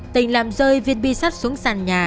tình làm rơi viên bi sắt xuống sàn nhà